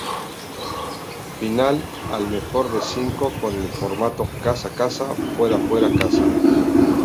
Final al mejor de cinco, con el formato casa-casa-fuera-fuera-casa.